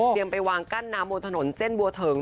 ไปวางกั้นน้ำบนถนนเส้นบัวเถิง